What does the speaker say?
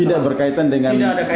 tidak berkaitan dengan hal ini